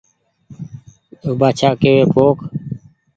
تو بآڇآڪيوي پوک